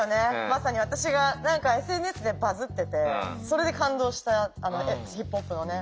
まさに私がＳＮＳでバズっててそれで感動したＧーＰＯＰのね。